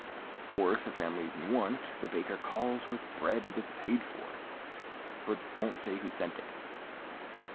Or if a family's in want, the baker calls with bread that's paid for, but won't say who sent it.